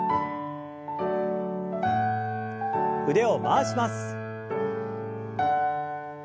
腕を回します。